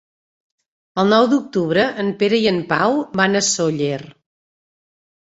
El nou d'octubre en Pere i en Pau van a Sóller.